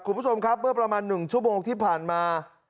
คุณผู้ชมครับเมื่อประมาณ๑ชั่วโมงที่ผ่านมา